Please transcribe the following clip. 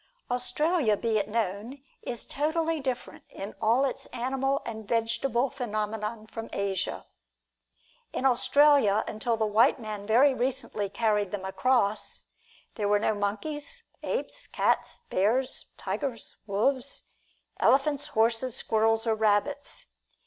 Australia, be it known, is totally different in all its animal and vegetable phenomena from Asia. In Australia, until the white man very recently carried them across, there were no monkeys, apes, cats, bears, tigers, wolves, elephants, horses, squirrels or rabbits.